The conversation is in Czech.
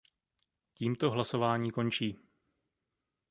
Tímto hlasování končí.